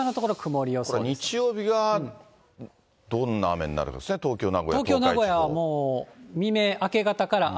これ、日曜日がどんな雨になるかですね、東京、名古屋、東京、名古屋も未明、明け方から雨。